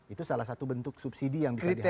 itu salah satu bentuk subsidi yang bisa dihasi